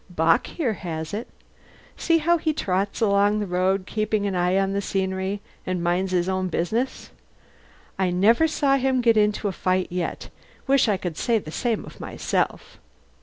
Bock here has it. See how he trots along the road, keeps an eye on the scenery, and minds his own business. I never saw him get into a fight yet. Wish I could say the same of myself.